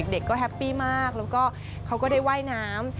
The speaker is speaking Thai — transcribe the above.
เด็กก็แฮปปี้มากแล้วก็เขาก็ได้ว่ายน้ำ